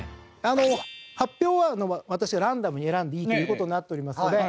発表は私がランダムに選んでいいという事になっておりますので。